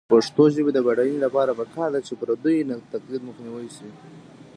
د پښتو ژبې د بډاینې لپاره پکار ده چې پردیو تقلید مخنیوی شي.